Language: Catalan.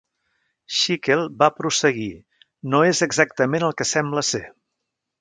Schickel va prosseguir: "No és exactament el que sembla ser".